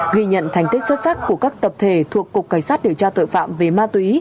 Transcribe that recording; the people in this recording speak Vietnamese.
ghi nhận thành tích xuất sắc của các tập thể thuộc cục cảnh sát điều tra tội phạm về ma túy